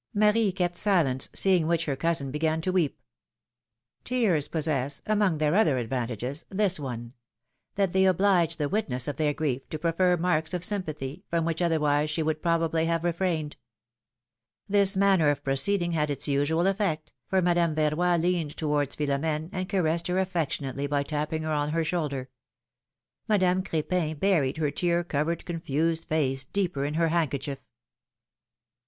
Marie kept silence, seeing which her cousin began to weep. Tears possess, among their other advantages, this one: that they oblige the witness of their grief to prof fer marks of sympathy, from which otherwise she would probably have refrained. This manner of proceeding had its usual effect, for Madame Verroy leaned towards Philo m^ne, and caressed her affectionately by tapping her on her shoulder. Madame Crepin buried her tear covered, confused face deeper in her handkerchief.